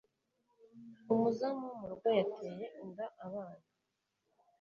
umuzamu wo mu rugo yateye inda abana